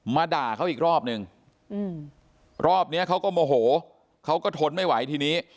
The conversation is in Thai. ด่าเขาอีกรอบนึงรอบนี้เขาก็โมโหเขาก็ทนไม่ไหวทีนี้